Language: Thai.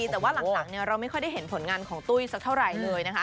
แต่ว่าหลังเราไม่ค่อยได้เห็นผลงานของตุ้ยสักเท่าไหร่เลยนะคะ